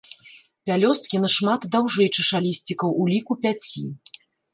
Пялёсткі нашмат даўжэй чашалісцікаў, у ліку пяці.